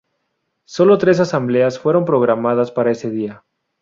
Sólo tres asambleas fueron programadas para ese día.